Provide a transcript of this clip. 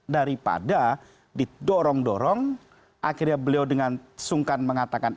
daripada didorong dorong akhirnya beliau dengan sungkan mengatakan